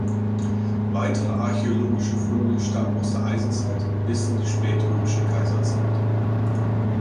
Weitere archäologische Funde stammen aus der Eisenzeit bis in die spätrömische Kaiserzeit.